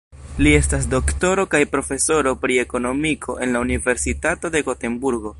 Li estas doktoro kaj profesoro pri Ekonomiko en la Universitato de Gotenburgo.